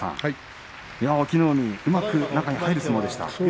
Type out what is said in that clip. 隠岐の海うまく中に入る相撲でした。